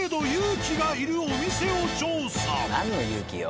何の勇気よ。